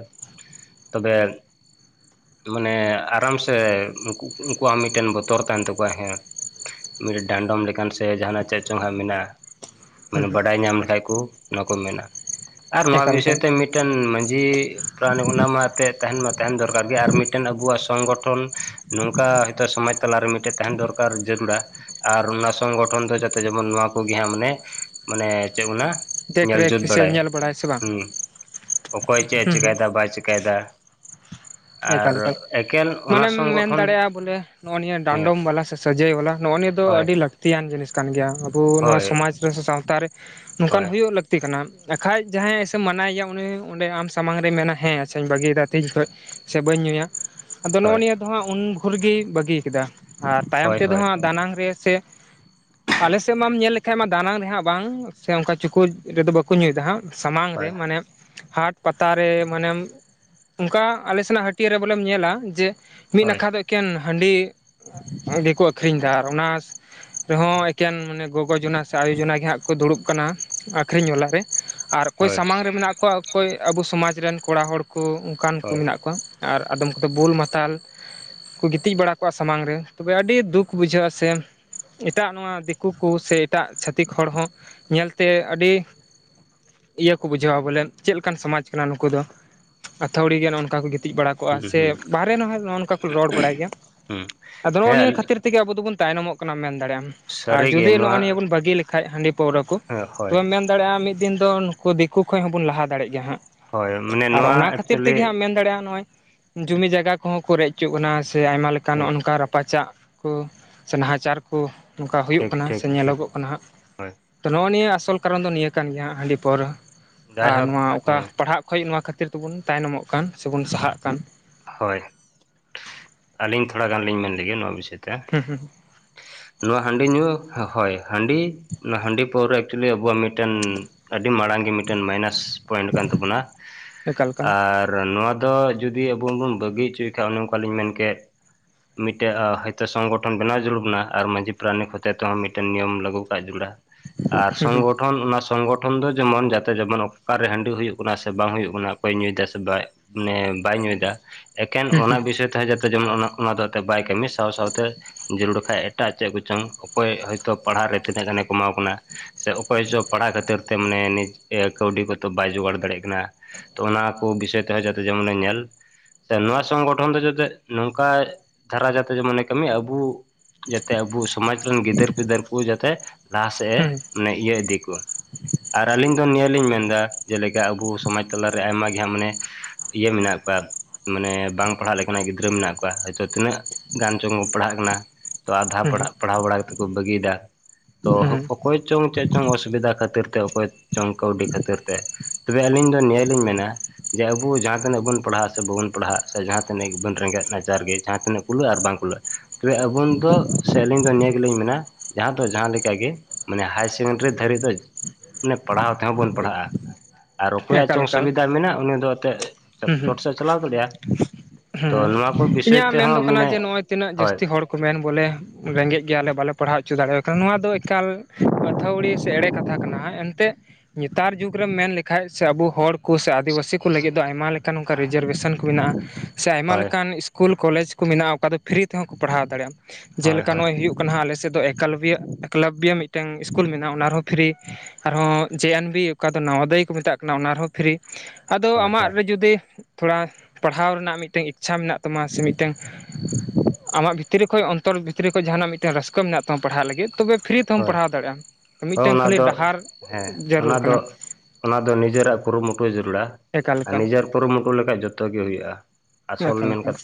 ᱛᱚᱵᱮ ᱢᱟᱱᱮ ᱟᱨᱟᱢ ᱥᱮ ᱩᱱᱠᱩ ᱩᱱᱠᱩᱣᱟᱜ ᱢᱤᱫᱴᱮᱱ ᱵᱚᱛᱚᱨ ᱛᱟᱦᱮᱱ ᱛᱟᱠᱚᱣᱟ ᱦᱮᱸ ᱢᱤᱫᱴᱮᱱ ᱰᱟᱸᱰᱚᱢ ᱞᱮᱠᱟᱱ ᱥᱮ ᱡᱟᱦᱟᱱᱟᱜ ᱪᱮᱫ ᱪᱚᱝ ᱢᱮᱱᱟᱜᱼᱟ, ᱦᱩᱸ ᱢᱟᱱᱮ ᱦᱩᱸ ᱵᱟᱰᱟᱭ ᱧᱟᱢ ᱞᱮᱠᱷᱟᱡ ᱠᱚ᱾ ᱱᱚᱣᱟ ᱠᱚ ᱢᱮᱱᱟ, ᱟᱨ ᱱᱚᱣᱟ ᱮᱠᱟᱞ ᱵᱤᱥᱚᱭ ᱮᱠᱟᱞ ᱛᱮ ᱢᱤᱫ ᱢᱤᱫᱴᱮᱱ ᱢᱟᱺᱡᱷᱤ ᱯᱨᱟᱱᱤ ᱚᱱᱟ ᱢᱟ ᱛᱮᱫ ᱛᱟᱦᱮᱱ ᱢᱟ ᱛᱟᱦᱮᱱ ᱫᱚᱨᱠᱟᱨ ᱜᱮ, ᱟᱨ ᱢᱤᱫᱴᱮᱱ ᱟᱵᱚᱣᱟᱜ ᱥᱚᱝᱜᱚᱴᱷᱚᱱ ᱱᱚᱝᱠᱟ ᱦᱚᱭᱛᱳ ᱥᱚᱢᱟᱡᱽ ᱛᱟᱞᱟᱨᱮ ᱢᱤᱫᱴᱮ ᱛᱟᱦᱮᱱ ᱫᱚᱨᱠᱟᱨ ᱡᱟᱹᱨᱩᱨᱲᱟ᱾ ᱟᱨ ᱚᱱᱟ ᱥᱚᱝᱜᱚᱴᱷᱚᱱ ᱫᱚ ᱡᱟᱛᱮ ᱡᱮᱢᱚᱱ ᱱᱚᱣᱟ ᱠᱚᱜᱮ ᱦᱟᱸᱜ, ᱢᱟᱱᱮ ᱢᱟᱱᱮ ᱪᱮᱫ ᱵᱱᱟ ᱫᱮᱠᱷ ᱧᱮᱞ ᱨᱮᱠᱷ ᱡᱩᱛ ᱥᱮ ᱵᱟᱲᱟᱭ, ᱧᱮᱞ ᱥᱮ ᱵᱟᱝ ᱦᱩᱸ ᱚᱠᱚᱭ ᱪᱮᱫ ᱦᱩᱸ ᱦᱩᱸ ᱪᱮᱠᱟᱭᱮᱫᱟ ᱵᱟᱭ ᱪᱮᱠᱟᱭᱮᱫᱟ᱾ ᱟᱨ ᱮᱠᱟᱞ ᱮᱠᱟᱞ ᱮᱠᱮᱱ ᱚᱱᱟ ᱢᱟᱱᱮᱢ ᱢᱮᱱ ᱥᱚᱝᱜᱚᱴᱷᱚᱱ ᱫᱟᱲᱮᱭᱟᱜᱼᱟ ᱵᱚᱞᱮ, ᱱᱚᱜ ᱱᱤᱭᱟᱹ ᱦᱮᱸ ᱰᱟᱸᱰᱚᱢ ᱵᱟᱞᱟ ᱥᱮ ᱥᱟᱹᱡᱟᱹᱭ ᱵᱟᱞᱟ ᱱᱚᱜᱚ ᱱᱤᱭᱟᱹ ᱫᱚ ᱦᱳᱭ ᱟᱹᱰᱤ ᱞᱟᱹᱠᱛᱤᱭᱟᱱ ᱡᱤᱱᱤᱥ ᱠᱟᱱ ᱜᱮᱭᱟ, ᱟᱵᱚ ᱱᱚᱣᱟ ᱦᱳᱭ ᱥᱚᱢᱟᱡᱽ ᱨᱮᱥᱮ ᱥᱟᱶᱛᱟᱨ ᱨᱮ᱾ ᱱᱚᱝᱠᱟᱱ ᱦᱳᱭ ᱦᱩᱭᱩᱜ ᱞᱟᱹᱠ ᱞᱟᱹᱠᱛᱤ ᱠᱟᱱᱟ ᱟᱠᱷᱟᱡ ᱡᱟᱦᱟᱸᱭ ᱥᱮᱢ ᱢᱟᱱᱟᱼᱭᱟ ᱩᱱᱤ ᱚᱸᱰᱮ ᱟᱢ ᱥᱟᱢᱟᱝ ᱨᱮ ᱢᱮᱱᱟ ᱦᱮᱸ ᱟᱪᱪᱷᱟᱧ ᱵᱟᱹᱜᱤᱭᱟ ᱛᱦᱤᱧ ᱠᱷᱚᱡ, ᱥᱮ ᱵᱟᱹᱧ ᱧᱩᱭᱟ, ᱟᱫᱚ ᱱᱚᱜᱼᱚ ᱦᱳᱭ ᱱᱤᱭᱟᱹ ᱫᱚ ᱦᱟᱸᱜ ᱩᱱ ᱵᱷᱳᱨ ᱜᱤ ᱵᱟᱹᱜᱤ ᱠᱮᱫᱟ᱾ ᱟᱨ ᱛᱟᱭᱚᱢ ᱦᱳᱭ ᱛᱮᱫᱚ ᱦᱳᱭ ᱦᱟᱸᱜ ᱫᱟᱱᱟᱝ ᱨᱮ ᱥᱮ ᱟᱞᱮᱥᱮᱫ ᱢᱟᱢ ᱧᱮᱞ ᱞᱮᱠᱷᱟᱡ ᱢᱟ ᱫᱟᱱᱟᱝ ᱨᱮᱦᱟᱸᱜ ᱵᱟᱝ, ᱥᱮ ᱚᱱᱠᱟ ᱪᱩᱠᱩᱡ ᱨᱮᱫᱚ ᱵᱟᱠᱚ ᱧᱩᱭ ᱫᱟ ᱦᱟᱸᱜ᱾ ᱥᱟᱢᱟᱝ ᱨᱮ, ᱦᱳᱭ ᱢᱟᱱᱮ ᱦᱟᱴ ᱯᱟᱛᱟᱨᱮ, ᱢᱟᱱᱮᱢ ᱚᱱᱠᱟ ᱟᱞᱮ ᱥᱮᱱᱟᱜ ᱦᱟᱹᱴᱭᱟᱹ ᱵᱚᱞᱮᱢ ᱧᱮᱞᱟ, ᱡᱮ ᱢᱤᱫ ᱦᱳᱭ ᱱᱟᱠᱷᱟ ᱫᱚ ᱮᱠᱮᱱ ᱦᱟᱺᱰᱤ ᱜᱮᱠᱚ ᱟᱹᱠᱷᱨᱤᱧ ᱫᱟ ᱟᱨ ᱚᱱᱟᱥ ᱨᱮᱦᱚᱸ ᱮᱠᱮᱱ ᱢᱟᱱᱮ ᱜᱚᱜᱚ ᱡᱚᱱᱟ ᱥᱮ ᱟᱭᱳ ᱡᱚᱱᱟ ᱜᱮ ᱦᱟᱸᱜ ᱠᱚ ᱫᱩᱲᱩᱵ ᱠᱟᱱᱟ, ᱟᱠᱷᱨᱤᱧ ᱵᱟᱞᱟᱨ ᱨᱮ᱾ ᱟᱨ ᱚᱠᱚᱭ ᱦᱳᱭ ᱥᱟᱢᱟᱝ ᱨᱮ ᱢᱮᱱᱟᱜ ᱠᱚᱣᱟ, ᱚᱠᱚᱭ ᱟᱵᱚ ᱥᱚᱢᱟᱡᱽ ᱨᱮᱱ ᱠᱚᱲᱟ ᱦᱚᱲ ᱠᱚ ᱚᱱᱠᱟᱱ ᱠᱚ ᱦᱳᱭ ᱢᱮᱱᱟᱜ ᱠᱚᱣᱟ ᱟᱨ ᱟᱫᱚᱢ ᱠᱚᱫᱚ ᱵᱳᱞ ᱢᱟᱛᱟᱞ᱾ ᱠᱚ ᱜᱤᱛᱤᱡ ᱵᱟᱲᱟ ᱠᱚᱣᱟ ᱥᱟᱢᱟᱝ ᱨᱮ, ᱛᱚᱵᱮ ᱟᱹᱰᱤ ᱫᱩᱠ ᱵᱩᱡᱷᱟᱹᱜᱼᱟ ᱥᱮ ᱮᱴᱟᱜ ᱱᱚᱣᱟ ᱫᱤᱠᱩ ᱠᱚ ᱥᱮ ᱮᱴᱟᱜ ᱪᱷᱟᱹᱛᱤᱠ ᱦᱚᱲ ᱦᱚᱸ ᱧᱮᱞᱛᱮ ᱟᱹᱰᱤ ᱤᱭᱟᱹ ᱠᱚ ᱵᱩᱡᱷᱟᱹᱣᱟ ᱵᱚᱞᱮ ᱪᱮᱫᱞᱮᱠᱟᱱ ᱥᱚᱢᱟᱡᱽ ᱠᱟᱱᱟ ᱱᱩᱠᱩ ᱫᱚ, ᱟᱹᱛᱲᱤ ᱜᱮ ᱱᱟᱜᱼᱚᱭ ᱱᱚᱝᱠᱟ ᱠᱚ ᱜᱤᱛᱤᱡ ᱵᱟᱲᱟ [inaudible] ᱠᱚᱜᱼᱟ ᱦᱩᱸ ᱥᱮ ᱦᱩᱸ ᱵᱟᱦᱨᱮ ᱱᱟ ᱦᱳᱭ ᱱᱚᱜᱼᱚ ᱱᱚᱝᱠᱟ ᱠᱚ ᱨᱚᱲ ᱵᱟᱲᱟᱭ ᱜᱮᱭᱟ, ᱦᱩᱸ ᱟᱫᱚ ᱱᱚᱜᱼᱚ ᱦᱮᱸ ᱱᱤᱭᱟᱹ ᱠᱷᱟᱹᱛᱤᱨ ᱛᱮᱜᱮ ᱟᱵᱚ ᱫᱚᱵᱚᱱ ᱛᱟᱭᱱᱚᱢᱚᱜ ᱠᱟᱱᱟ ᱢᱮᱱ ᱫᱟᱲᱮᱼᱟᱢ ᱟᱨ ᱥᱟᱹᱨᱤᱜᱮ ᱡᱩᱫᱤ ᱱᱚᱣᱟ ᱱᱚᱜᱼᱚᱭ ᱱᱤᱭᱟᱹ ᱵᱚᱱ ᱵᱟᱹᱜᱤ ᱞᱮ ᱠᱷᱟᱡ ᱦᱟᱺᱰᱤ ᱯᱟᱹᱣᱨᱟᱹ ᱠᱚ ᱦᱮᱸ ᱦᱳᱭ ᱛᱚᱵᱮᱢ ᱢᱮᱱ ᱫᱟᱲᱮᱭᱟᱜᱼᱟ ᱢᱤᱫ ᱫᱤᱱ ᱫᱚ ᱱᱩᱠᱩ ᱫᱤᱠᱩ ᱠᱷᱚᱡ ᱦᱚᱸᱵᱚᱱ ᱞᱟᱦᱟ ᱫᱟᱲᱮᱜ ᱜᱮᱭᱟ ᱦᱟᱸᱜ, ᱦᱳᱭ ᱢᱟᱱᱮ ᱟᱨ ᱱᱚᱣᱟ ᱚᱱᱟ ᱠᱷᱟᱹᱛᱤᱨ ᱮᱠᱪᱩᱭᱮᱞᱤ ᱛᱮᱜᱮ ᱦᱟᱸᱜ ᱢᱮᱱ ᱫᱟᱲᱮᱭᱟᱜᱼᱟ ᱱᱚᱜᱼᱚᱭ ᱡᱚᱢᱤ ᱡᱟᱜᱟ ᱠᱚᱦᱚᱸ ᱠᱚ ᱨᱮᱡ ᱦᱚᱪᱚᱜ ᱠᱟᱱᱟ, ᱥᱮ ᱟᱭᱢᱟ ᱞᱮᱠᱟ ᱱᱚᱜᱼᱚ ᱴᱷᱤᱠ ᱱᱚᱝᱠᱟ ᱨᱟᱯᱪᱟᱜ ᱠᱚ, ᱥᱮ ᱱᱟᱦᱟᱪᱟᱨ ᱠᱚ, ᱱᱚᱝᱠᱟ ᱦᱩᱭᱩᱜ ᱴᱷᱤᱠ ᱠᱟᱱᱟ, ᱴᱷᱤᱠ ᱥᱮ ᱴᱷᱤᱠ ᱧᱮᱞᱚᱜᱚᱜ ᱠᱟᱱᱟ ᱦᱟᱸᱜ᱾ ᱛᱚ ᱱᱚᱜ-ᱚ ᱱᱤᱭᱟᱹ ᱟᱥᱚᱞ ᱠᱟᱨᱚᱱ ᱫᱚ ᱱᱤᱭᱟᱹ ᱠᱟᱱ ᱜᱮᱭᱟ ᱦᱟᱸᱜ ᱦᱟᱺᱰᱤ ᱯᱟᱣᱹᱨᱟᱹ ᱟᱨ ᱡᱟᱭᱦᱳᱠ ᱱᱚᱣᱟ ᱚᱠᱟ ᱦᱮᱸ ᱯᱟᱲᱦᱟᱜ ᱠᱷᱚᱡ ᱱᱚᱣᱟ ᱠᱷᱟᱹᱛᱤᱨ ᱛᱮᱵᱚᱱ ᱛᱟᱭᱱᱚᱢᱚᱜ ᱠᱟᱱ ᱥᱮᱵᱚᱱ ᱥᱟᱦᱟᱜ ᱠᱟᱱ ᱦᱚᱭ, ᱟᱹᱞᱤᱧ ᱛᱷᱚᱲᱟ ᱜᱟᱱ ᱞᱤᱧ ᱢᱮᱱ ᱞᱮᱜᱮ ᱱᱚᱣᱟ ᱵᱤᱥᱚᱭ ᱛᱮ᱾ ᱦᱩᱸ ᱦᱩᱸ᱾ ᱱᱚᱣᱟ ᱦᱟᱺᱰᱤ ᱧᱩ ᱦᱚᱸ ᱦᱳᱭ ᱦᱟᱺᱰᱤ ᱱᱚᱶᱟ ᱦᱟᱺᱰᱤ ᱯᱟᱹᱣᱨᱟᱹ ᱪᱩᱞᱤ ᱟᱵᱚᱣᱟᱜ ᱢᱤᱫᱴᱮᱱ ᱟᱹᱰᱤ ᱢᱟᱬᱟᱝ ᱜᱮ ᱢᱤᱫᱴᱟᱹᱱ ᱢᱟᱭᱱᱟᱥ ᱯᱚᱭᱮᱱᱴ ᱠᱟᱱ ᱛᱟᱵᱚᱱᱟ ᱮᱠᱟᱞ ᱮᱠᱟᱞ ᱟᱨ ᱱᱚᱣᱟ ᱫᱚ ᱡᱩᱫᱤ [unintelligible] ᱵᱚᱱ ᱵᱚᱱ ᱵᱟᱹᱜᱤ ᱩᱪᱩᱭᱮ ᱠᱷᱟᱡ ᱚᱱᱮ ᱚᱱᱠᱟ ᱞᱤᱧ ᱢᱮᱱ ᱠᱮᱜ ᱢᱤᱫᱴᱮᱜ ᱚ ᱦᱚᱭᱛᱚ ᱥᱚᱝᱜᱚᱴᱷᱚᱱ ᱵᱮᱱᱟᱣ ᱡᱟᱹᱨᱩᱲ ᱵᱩᱱᱟ ᱟᱨ ᱢᱟᱺᱡᱷᱤ ᱯᱨᱟᱱᱤᱠ ᱦᱚᱛᱮᱛ ᱛᱮᱦᱚᱸ ᱢᱤᱫᱴᱮᱱ ᱱᱤᱭᱚᱢ ᱞᱟᱹᱜᱩ ᱠᱟᱜ ᱡᱟᱹᱨᱩᱲᱟ᱾ ᱟᱨ ᱦᱩᱸ ᱦᱩᱸ ᱥᱚᱝᱜᱚᱴᱷᱚᱱ ᱚᱱᱟ ᱥᱚᱝᱜᱚ ᱴᱷᱚᱱ ᱫᱚ ᱡᱮᱢᱚᱱ ᱡᱟᱛᱮ ᱡᱮᱢᱚᱱ ᱚᱠᱟ ᱨᱮ ᱦᱟᱺᱰᱤ ᱦᱩᱭᱩᱜ ᱠᱟᱱᱟ ᱥᱮ ᱵᱟᱝ ᱦᱩᱭᱩᱜ ᱠᱟᱱᱟ ᱚᱠᱚᱭ ᱧᱩᱭᱟ ᱫᱟ ᱥᱮ ᱵᱟᱭ ᱢᱟᱱᱮ ᱵᱟᱭ ᱧᱩᱭ ᱫᱟ᱾ ᱮᱠᱮᱱ ᱦᱩᱸ ᱚᱱᱟ ᱵᱤᱥᱚᱭ ᱛᱮᱦᱚᱸ ᱡᱟᱛᱮ ᱡᱮᱢᱚᱱ ᱚᱱᱟ ᱚᱱᱟ ᱫᱚ ᱮᱛᱮᱜ ᱵᱟᱭ ᱠᱟᱹᱢᱤ ᱥᱟᱶ ᱥᱟᱶᱛᱮ ᱡᱟᱹᱨᱩᱲ ᱠᱷᱟᱡ ᱮᱴᱟᱜ ᱪᱮᱜ ᱠᱚᱪᱚᱝ ᱚᱠᱚᱭ ᱦᱚᱭᱛᱚ ᱯᱟᱲᱦᱟᱣ ᱨᱮ ᱛᱤᱱᱟᱹᱜ ᱜᱟᱱᱮ ᱠᱚᱢᱟᱣ ᱠᱟᱱᱟ ᱥᱮ ᱚᱠᱚᱭ ᱪᱚ ᱯᱟᱲᱦᱟᱜ ᱠᱷᱟᱹᱛᱤᱨ ᱛᱮ ᱢᱟᱱᱮ ᱱᱤᱡᱽ ᱮ ᱠᱟᱹᱣᱰᱤ ᱠᱚᱛᱚ ᱵᱟᱭ ᱡᱳᱜᱟᱲ ᱫᱟᱲᱮᱜ ᱠᱟᱱᱟ᱾ ᱛᱚ ᱚᱱᱟ ᱠᱚ ᱵᱤᱥᱚᱭ ᱛᱮᱦᱚᱸ ᱡᱟᱛᱮ ᱡᱮᱢᱚᱱ ᱮ ᱧᱮᱞ᱾ ᱥᱮ ᱱᱚᱣᱟ ᱥᱚᱝᱜᱚᱴᱷᱚᱱ ᱫᱚ ᱡᱟᱛᱮ ᱱᱚᱝᱠᱟ ᱫᱷᱟᱨᱟ ᱡᱟᱛᱮ ᱡᱮᱢᱚᱱᱮ ᱠᱟᱹᱢᱤ ᱟᱹᱵᱩᱼᱼ ᱡᱟᱛᱮ ᱟᱹᱵᱩ ᱥᱚᱢᱟᱪ ᱨᱮᱱ ᱜᱤᱫᱟᱹᱨ ᱯᱤᱫᱟᱹᱨ ᱠᱩ ᱡᱟᱛᱮ ᱞᱟᱦᱟ ᱥᱮᱜ ᱮ ᱦᱩᱸ ᱢᱟᱱᱮ ᱤᱭᱟᱹ ᱤᱫᱤ ᱠᱩ᱾ ᱟᱨ ᱟᱹᱞᱤᱧ ᱫᱚ ᱱᱤᱭᱟᱹ ᱞᱤᱧ ᱢᱮᱱ ᱫᱟ ᱡᱮᱞᱮᱠᱟ ᱟᱹᱵᱩ ᱥᱚᱢᱟᱡᱽ ᱛᱟᱞᱟ ᱨᱮ ᱟᱭᱢᱟ ᱜᱮ ᱦᱟᱸᱜ ᱢᱟᱱᱮᱼᱼ ᱤᱭᱟᱹ ᱢᱮᱱᱟᱜ ᱠᱚᱣᱟ ᱢᱟᱱᱮ ᱵᱟᱝ ᱯᱟᱲᱦᱟᱜ ᱞᱮᱠᱟ ᱱᱟᱜ ᱜᱤᱫᱽᱨᱟᱹ ᱢᱮᱱᱟᱜ ᱠᱚᱣᱟ, ᱦᱚᱭᱛᱚ ᱛᱤᱱᱟᱹᱜ ᱜᱟᱱ ᱪᱚᱝ ᱯᱟᱲᱦᱟᱜ ᱠᱟᱱᱟ ᱾ ᱛᱚ ᱟᱫᱷᱟ ᱦᱩᱸ ᱯᱟᱲᱦᱟᱜ ᱯᱟᱲᱦᱟᱣ ᱵᱟᱲᱟ ᱠᱟᱛᱮᱜ ᱠᱩ ᱵᱟᱹᱜᱤᱭ ᱫᱟ ᱛᱚ ᱦᱩᱸ ᱦᱚᱠ‌ ᱦᱩᱸ ᱦᱚᱠ ᱼᱼ ᱠᱚᱭ ᱪᱚᱝ ᱪᱮᱜ ᱪᱚᱝ ᱚᱥᱩᱵᱤᱫᱟ ᱠᱷᱟᱹᱛᱤᱨ ᱛᱮ ᱚᱠᱚᱭ ᱪᱚᱝ ᱠᱟᱹᱣᱰᱤ ᱠᱷᱟᱹᱛᱤᱨ ᱛᱮ ᱛᱚᱵᱮ ᱟᱹᱞᱤᱧ ᱫᱚ ᱱᱤᱭᱟᱹ ᱞᱤᱧ ᱢᱮᱱᱟ ᱡᱮ ᱟᱹᱵᱩ ᱡᱟᱦᱟᱸ ᱛᱤᱱᱟᱹᱜ ᱵᱩᱱ ᱯᱟᱲᱦᱟᱜ ᱥᱮ ᱵᱟᱹᱵᱩᱱ ᱯᱟᱲᱦᱟᱜ ᱥᱮ ᱡᱟᱦᱟᱸ ᱛᱤᱱᱟᱹᱜ ᱜᱮ ᱵᱮᱱ ᱨᱮᱸᱜᱮᱡ ᱱᱟᱪᱟᱨ ᱜᱮ, ᱡᱟᱦᱟᱸ ᱛᱤᱱᱟᱹᱜ ᱠᱩᱞᱟᱹᱜ-ᱟ ᱟᱨ ᱵᱟᱝ ᱠᱩᱞᱟᱹᱜᱼᱼ ᱛᱚᱵᱮ ᱟᱹᱵᱩᱱ ᱫᱚ ᱥᱮ ᱟᱹᱞᱤᱧ ᱫᱚ ᱱᱤᱭᱟᱹ ᱜᱮᱞᱤᱧ ᱢᱮᱱᱟ ᱡᱟᱦᱟᱸ ᱫᱚ ᱡᱟᱦᱟᱸ ᱞᱮᱠᱟ ᱜᱮ ᱢᱟᱱᱮ ᱦᱟᱭ ᱥᱮᱠᱮᱱᱰᱟᱹᱨᱤ ᱫᱷᱟᱹᱨᱤᱡ ᱫᱚ ᱢᱟᱱᱮ ᱯᱟᱲᱦᱟᱣ ᱛᱮᱦᱚᱸ ᱵᱚᱱ ᱯᱟᱲᱦᱟᱜ-ᱟ ᱾ ᱟᱨ ᱚᱠᱚᱭᱟᱜ ᱮᱠᱟᱞ ᱪᱚᱝ ᱮᱠᱟᱞ ᱥᱩᱵᱤᱫᱷᱟ ᱢᱮᱱᱟᱜ ᱩᱱᱤ ᱫᱚ ᱮᱛᱮᱜ ᱦᱩᱸ ᱪᱚᱴ ᱥᱮᱜ ᱮ ᱪᱟᱞᱟᱣ ᱫᱟᱹᱲᱤᱜ-ᱟ ᱾ ᱦᱩᱸ ᱤᱧᱟᱜ ᱢᱮᱱ ᱛᱮᱦᱚᱸ ᱫᱚ ᱠᱟᱱᱟ ᱢᱟᱱᱮ ᱡᱮ ᱱᱚᱜ-ᱚᱸᱭ ᱛᱤᱱᱟᱹᱜ ᱦᱳᱭ ᱡᱟᱹᱥᱛᱤ ᱦᱚᱲ ᱠᱩ ᱢᱮᱱ ᱵᱚᱞᱮ ᱨᱮᱸᱜᱮᱡ ᱜᱮᱭᱟ ᱞᱮ ᱵᱟᱞᱮ ᱯᱟᱲᱦᱟᱣ ᱩᱪᱩ ᱫᱟᱲᱮᱣᱟᱭ ᱠᱟᱱᱟ ᱱᱚᱣᱟ ᱫᱚ ᱮᱠᱟᱞ ᱟᱹᱛᱷᱟᱹᱣᱲᱤ ᱥᱮ ᱮᱲᱮ ᱠᱟᱛᱷᱟ ᱠᱟᱱᱟ ᱦᱟᱸᱜ ᱮᱱᱛᱮᱜᱼᱼ ᱱᱮᱛᱟᱨ ᱡᱩᱜᱽ ᱨᱮᱢ ᱢᱮᱱ ᱞᱮᱠᱼᱼ ᱠᱷᱟᱡ ᱥᱮ ᱟᱹᱵᱩ ᱦᱚᱲ ᱠᱩ ᱥᱮ ᱟᱫᱤᱵᱟᱥᱤ ᱠᱩ ᱞᱟᱹᱜᱤᱫ ᱫᱚ ᱟᱭᱢᱟ ᱞᱮᱠᱟᱱ ᱚᱱᱠᱟ ᱨᱤᱡᱚᱨᱵᱮᱥᱚᱱ ᱠᱩ ᱢᱮᱱᱟᱜ-ᱟ ᱾ ᱥᱮ ᱟᱭᱢᱟ ᱦᱳᱭ ᱞᱮᱠᱟᱱ ᱤᱥᱠᱩᱞ ᱠᱚᱞᱮᱡᱽ ᱠᱩ ᱢᱮᱱᱟᱜ-ᱟ ᱚᱠᱟ ᱫᱚ ᱯᱷᱨᱤ ᱛᱮᱦᱚᱸ ᱠᱩ ᱯᱟᱲᱦᱟᱣ ᱫᱟᱲᱮᱜ-ᱟ, ᱦᱳᱭ ᱡᱮᱞᱮᱠᱟ ᱦᱳᱭ ᱱᱚᱜ- ᱚᱸᱭ ᱦᱩᱭᱩᱜ ᱼᱼ ᱠᱟᱱᱟ ᱦᱟᱸᱜ ᱟᱞᱮ ᱥᱮᱜ ᱫᱚ ᱮᱠᱟᱞᱵᱽᱭᱚ ᱮᱠᱟᱞᱟᱵᱵᱤᱭᱚ ᱢᱤᱫᱴᱟᱝ ᱤᱥᱠᱩᱞ ᱢᱮᱱᱟᱜ-ᱟ ᱚᱱᱟ ᱨᱮᱦᱚᱸ ᱯᱷᱤᱨᱤ ᱟᱨᱦᱚᱸ ᱡᱮ ᱮᱱ ᱵᱤ ᱚᱠᱟ ᱫᱚ ᱱᱟᱣᱟ ᱫᱚᱭ ᱠᱚ ᱢᱮᱛᱟᱜ ᱠᱟᱱᱟ ᱚᱱᱟ ᱨᱮᱦᱚᱸ ᱯᱷᱨᱤ ᱾ ᱟᱫᱚ ᱦᱳᱭ ᱟᱢᱟᱜ ᱦᱳᱭ ᱨᱮ ᱡᱩᱫᱤ ᱛᱷᱚᱲᱟ ᱯᱟᱲᱦᱟᱣ ᱨᱮᱱᱟᱜ ᱢᱤᱫᱴᱟᱝ ᱤᱪᱪᱷᱟ ᱢᱤᱱᱟᱜ ᱛᱟᱢᱟ ᱥᱮ ᱢᱤᱫᱴᱮᱱ ᱟᱢᱟᱜ ᱵᱷᱤᱛᱨᱤ ᱠᱷᱚᱡ ᱚᱱᱛᱚᱨ ᱵᱷᱤᱛᱨᱤ ᱠᱷᱚᱡ ᱡᱟᱦᱟᱸ ᱱᱟᱜ ᱢᱤᱫᱴᱟᱝ ᱨᱟᱹᱥᱠᱟᱹ ᱢᱤᱱᱟᱜ ᱛᱟᱢᱟ ᱯᱟᱲᱦᱟᱜ ᱞᱟᱹᱜᱤᱫ ᱛᱚᱵᱮ ᱯᱷᱨᱤ ᱛᱮᱦᱚᱢ ᱦᱳᱭ ᱯᱟᱲᱦᱟᱣ ᱫᱟᱲᱮᱜ-ᱟ, ᱦᱚᱸ ᱢᱤᱫᱴᱟᱝ ᱚᱱᱟ ᱠᱷᱟᱹᱞᱤ ᱫᱚ ᱰᱟᱦᱟᱨ ᱦᱮᱸ [unintelligible] ᱡᱟᱹᱨᱩᱲ ᱚᱱᱟ ᱫᱚ ᱠᱟᱱᱟ ᱾ ᱚᱱᱟ ᱫᱚ ᱱᱤᱡᱟᱹᱨᱟᱜ ᱠᱩᱨᱩᱢᱩᱴᱩ ᱡᱟᱹᱨᱩᱲᱟ, ᱮᱠᱟᱞ ᱟᱨ ᱮᱠᱟᱞ ᱱᱤᱡᱟᱹᱨ ᱠᱩᱨᱩᱢᱩᱴᱩ ᱞᱮᱠᱷᱟᱡ ᱡᱚᱛᱚ ᱜᱮ ᱦᱩᱭᱩᱜ-ᱟ᱾ ᱟᱥᱚᱞ ᱮᱠᱟᱞ ᱢᱮᱱ ᱮᱠᱟᱞ ᱠᱟᱛᱼᱼ